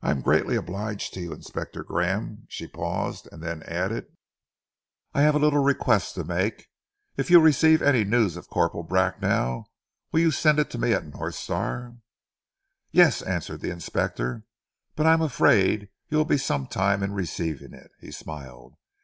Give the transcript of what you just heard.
I am greatly obliged to you, Inspector Graham." She paused, and then added, "I have a little request to make. If you receive any news of Corporal Bracknell will you send it to me at North Star?" "Yes," answered the inspector. "But I am afraid you will be some time in receiving it." He smiled.